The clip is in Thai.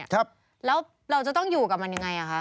แล้วเราจะต้องอยู่กับมันอย่างไรครับ